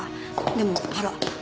でもほら。